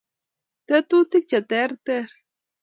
tetutik cheterter